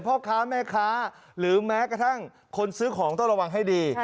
พ่อค้าแม่ค้าหรือแม้กระทั่งคนซื้อของต้องระวังให้ดี